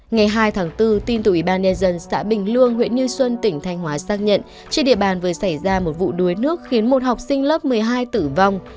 ngày hai tháng bốn tin từ ủy ban nhân dân xã bình lương huyện như xuân tỉnh thanh hóa xác nhận trên địa bàn vừa xảy ra một vụ đuối nước khiến một học sinh lớp một mươi hai tử vong